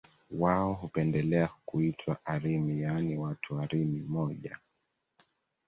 wao hupendelea kuitwa Arimi yaani watu wa Rimi moja